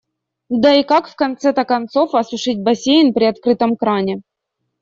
Да и как в конце-то концов осушить бассейн при открытом кране.